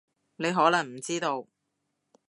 你可能唔知道